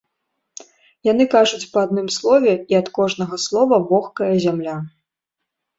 Яны кажуць па адным слове, і ад кожнага слова вохкае зямля.